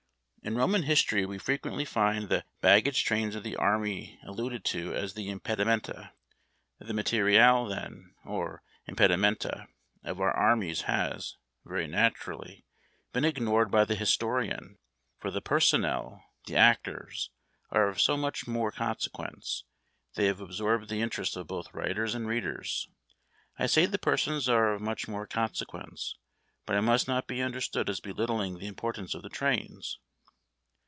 In Roman history we frequently find the bag gage trains of the army alluded to as the impedimenta. The materiel., then, or impedi^nenta., of our armies has, very naturally, been ignored by the historian ; for the personnel, the actors, are of so much more consequence, they have absorbed the interest of both writers and readers. I say the persons are of much more consequence, but I must not be understood as belittling the importance of the trains.